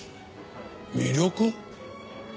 魅力？